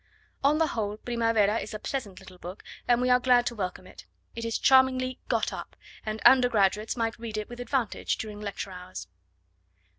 On the whole Primavera is a pleasant little book, and we are glad to welcome it. It is charmingly 'got up,' and undergraduates might read it with advantage during lecture hours.